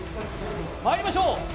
まいりましょう！